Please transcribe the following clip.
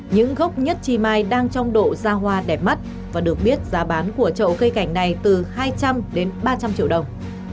những gốc nhất chi mai đang trong độ ra hoa đẹp mắt và được biết giá bán của trậu cây cảnh này từ hai trăm linh đến ba trăm linh triệu đồng